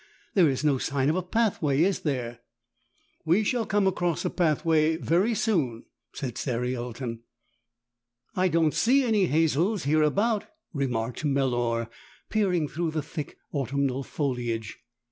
There is no sign of a pathway, is there ?" "We shall come across a pathway very soon," said Cer ialton. "I don't see any hazels here about," remarked Melor, peering through the thick autumnal foliage.